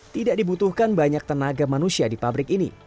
tidak dibutuhkan banyak tenaga manusia di pabrik ini